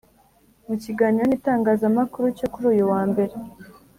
Mu kiganiro n’itangazamakuru cyo kuri uyu wa Mbere